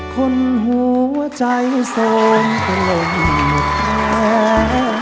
คนหัวใจส่วนตลมหมดแพ้